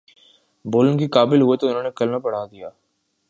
بولنے کے قابل ہوئے تو انہوں نے کلمہ پڑھادیا